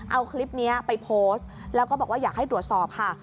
เอาคลิปนี้ไปโพสต์แล้วก็บอกว่าอยากให้ตรวจสอบค่ะ